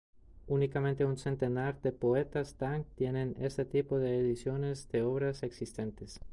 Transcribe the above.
Únicamente un centenar de poetas Tang tienen este tipo de ediciones de obras existentes.